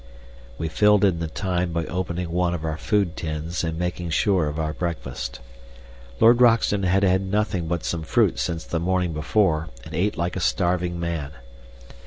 We filled in the time by opening one of our food tins and making sure of our breakfast. Lord Roxton had had nothing but some fruit since the morning before and ate like a starving man.